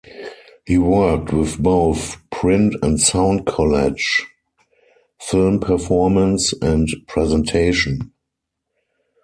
He worked with both print and sound collage, film, performance, and presentation.